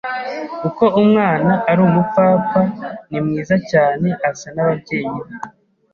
Uko umwana ari umupfapfa, ni mwiza cyane asa n'ababyeyi be.